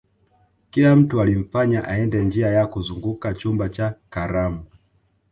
kila mtu alimfanya aende njia ya kuzunguka chumba cha karamu